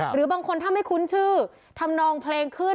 หรือบางคนถ้าไม่คุ้นชื่อทำนองเพลงขึ้น